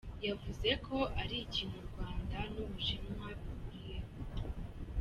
Yavuze ko ari ikintu u Rwanda n’u Bushinwa bihuriyeho.